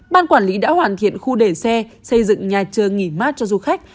ban quản lý đã hoàn thiện khu để xe xây dựng nhà trường nghỉ mát cho du khách